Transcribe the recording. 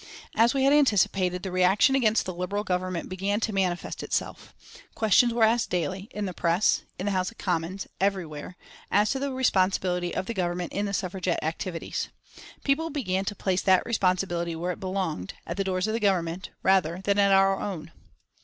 As we had anticipated, the reaction against the Liberal Government began to manifest itself. Questions were asked daily, in the press, in the House of Commons, everywhere, as to the responsibility of the Government in the Suffragette activities. People began to place that responsibility where it belonged, at the doors of the Government, rather than at our own.